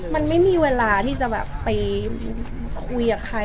มันไม่มีเวลาที่จะแบบไปคุยกับใคร